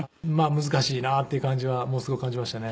難しいなっていう感じはものすごく感じましたね。